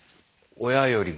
親よりも。